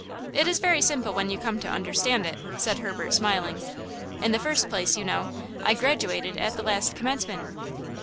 "It is very simple when you come to understand it," said Herbert, smiling. "In the first place, you know, I graduated at the last commencement."